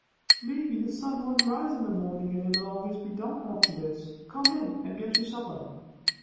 "Maybe the sun won't rise in the morning, and it will always be dark after this! Come in and get your supper."